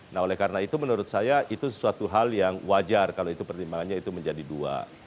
nah oleh karena itu menurut saya itu sesuatu hal yang wajar kalau itu pertimbangannya itu menjadi dua